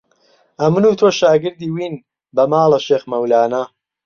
ئەمن و تۆ شاگردی وین بە ماڵە شێخ مەولانە